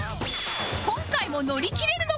今回も乗り切れるのか？